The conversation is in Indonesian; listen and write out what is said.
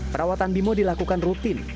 perawatan bimo dilakukan rutin